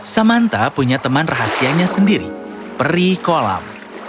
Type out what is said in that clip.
samanta punya teman rahasianya sendiri peri kolam